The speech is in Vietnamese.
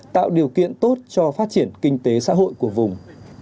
tạo điều kiện tốt cho phát triển kinh tế xã hội của vùng